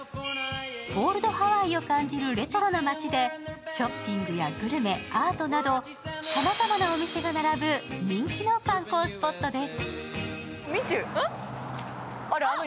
オールドハワイを感じるレトロな街でショッピングやグルメ、アートなどさまざまなお店が並ぶ人気の観光スポットです。